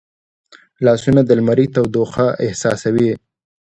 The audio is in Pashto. لاسونه د لمري تودوخه احساسوي